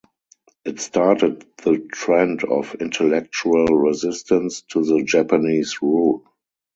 It started the trend of intellectual resistance to the Japanese rule.